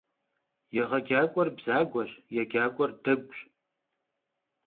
Yêğecak'uer bzagueş, yêcak'uer deguş.